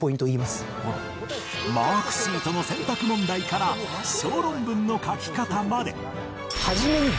マークシートの選択問題から小論文の書き方まで